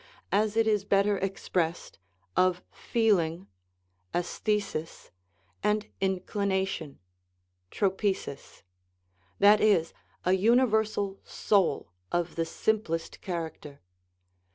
as it is better expressed, of feeling (aesthesis) and in clination (tropesis) that is, a universal " soul " of the simplest character.